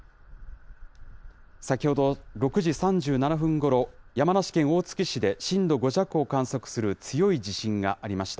先ほど６時３７分ごろ、山梨県大月市で震度５弱を観測する強い地震がありました。